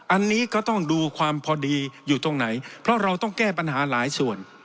อันนี้ก็ต้องดูความพอดีอยู่ตรงไหนเพราะเราต้องแก้ปัญหาหลายส่วน